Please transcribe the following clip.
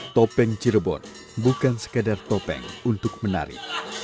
topeng cirebon bukan sekadar topeng untuk menari